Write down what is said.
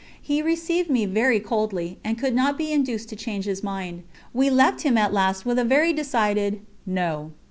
He received me very coldly, and could not be induced to change his mind. We left him at last with a very decided "No."